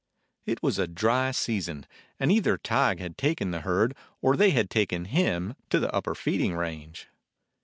It was a dry season, and either Tige had taken the herd, or they had taken him, to the upper feeding range.